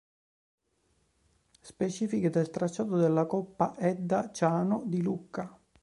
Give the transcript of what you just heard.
Specifiche del tracciato della Coppa Edda Ciano di Lucca.